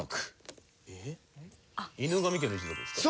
『犬神家の一族』ですか？